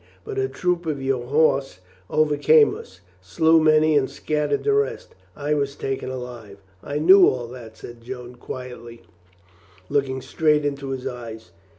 But a troop of your horse overcame us, slew many and scattered the rest. I was taken alive." "I knew all that," said Joan quietly, looking straight into his eyes.